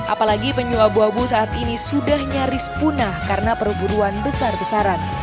apalagi penyu abu abu saat ini sudah nyaris punah karena perburuan besar besaran